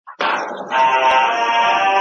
دا موضوع ډېره پیچلې نه ده.